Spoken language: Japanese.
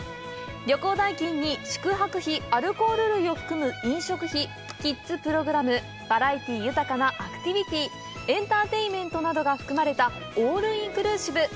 旅行代金に、宿泊費、アルコール類を含む飲食費キッズプログラム、バラエティ豊かなアクティビティ、エンターテイメントなどが含まれたオールインクルーシブ。